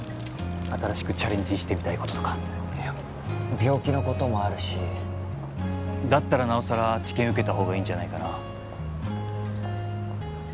新しくチャレンジしてみたいこととかいや病気のこともあるしだったらなおさら治験受けた方がいいんじゃないかな？